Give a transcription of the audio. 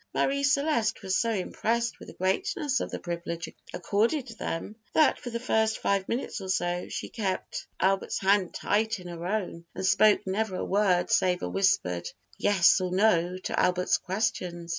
Marie Celeste was so impressed with the greatness of the privilege accorded them, that for the first five minutes or so she kept Albert's hand tight in her own, and spoke never a word save a whispered "yes" or "no" to Albert's questions.